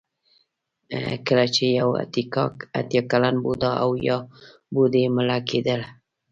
کله چې یو اتیا کلن بوډا او یا بوډۍ مړه کېدله.